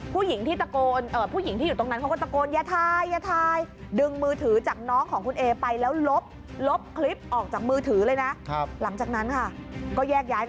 ผู้หญิงที่ตะโกนเอ่อผู้หญิงที่อยู่ตรงนั้นเขาก็ตะโกน